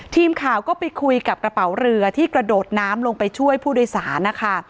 ทีมข่าวก็ไปคุยกับกระเป๋าเรือที่กระโดดน้ำลงไปช่วยผู้โดยสารนะคะ